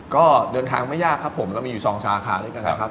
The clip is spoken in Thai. ก็เดินทางไม่ยากครับผมเรามีอยู่๒สาขาด้วยกันนะครับ